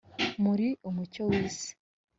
“Muri umucyo w’isi